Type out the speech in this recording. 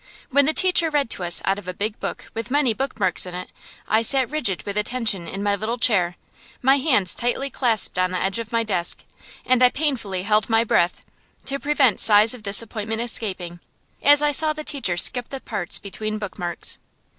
When the teacher read to us out of a big book with many bookmarks in it, I sat rigid with attention in my little chair, my hands tightly clasped on the edge of my desk; and I painfully held my breath, to prevent sighs of disappointment escaping, as I saw the teacher skip the parts between bookmarks.